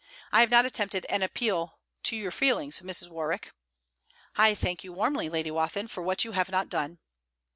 I have not attempted an appeal to your feelings, Mrs. Warwick.' 'I thank you warmly, Lady Wathin, for what you have not done.'